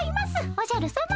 おじゃるさま。